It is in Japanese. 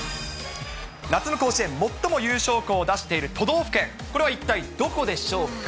夏の甲子園、最も優勝校を出している都道府県、これは一体どこでしょうか。